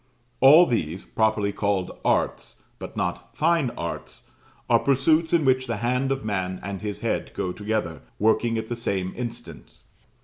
All these, properly called Arts, but not Fine Arts, are pursuits in which the hand of man and his head go together, working at the same instant.